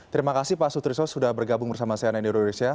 terima kasih pak sutrisno sudah bergabung bersama saya nenny rudiris ya